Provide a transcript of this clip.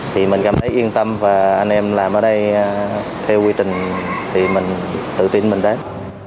thì mình cảm thấy yên tâm và anh em làm ở đây theo quy trình thì mình tự tin mình đến